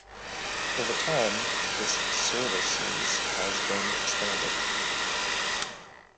Over time, this services has been expanded.